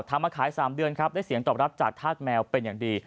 มาขาย๓เดือนครับได้เสียงตอบรับจากธาตุแมวเป็นอย่างดี